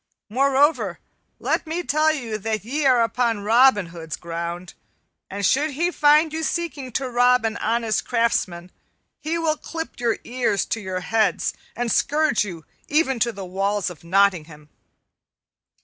Moreover, let me tell you that ye are upon Robin Hood's ground, and should he find you seeking to rob an honest craftsman, he will clip your ears to your heads and scourge you even to the walls of Nottingham.